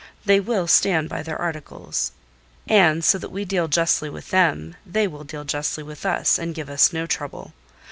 They will stand by their articles, and so that we deal justly with them, they will deal justly with us, and give no trouble.